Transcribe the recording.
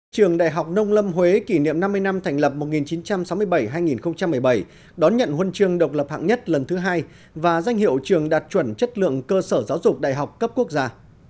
trường đại học nông lâm huế kỷ niệm năm mươi năm thành lập một nghìn chín trăm sáu mươi bảy hai nghìn một mươi bảy đón nhận huân chương độc lập hạng nhất lần thứ hai và danh hiệu trường đạt chuẩn chất lượng cơ sở giáo dục đại học cấp quốc gia